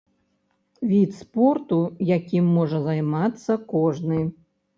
Від спорту, якім можа займацца кожны.